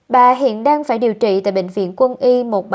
bà hiện đang phải điều trị tại bệnh viện quân y một trăm bảy mươi năm